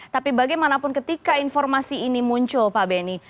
tapi bagaimanapun ketika informasi ini muncul pak benny